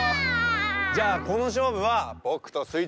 じゃあこのしょうぶはぼくとスイちゃんが。